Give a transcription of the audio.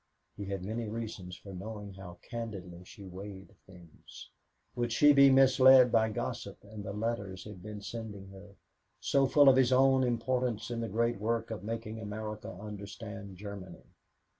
He had many reasons for knowing how candidly she weighed things. Would she be misled by gossip and the letters he'd been sending her, so full of his own importance in the great work of making America understand Germany?